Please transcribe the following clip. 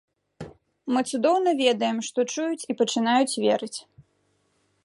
Мы цудоўна ведаем, што чуюць і пачынаюць верыць.